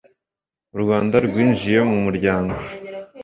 u rwanda rwinjiye mu muryango